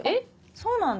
そうなんだ。